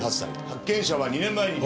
発見者は２年前に。